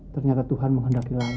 ternyata tuhan menghendaki lain